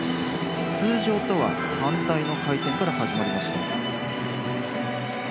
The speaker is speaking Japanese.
通常とは反対の回転から始まりました。